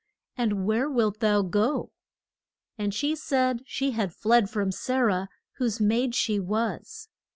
and where wilt thou go? And she said she had fled from Sa rah, whose maid she was.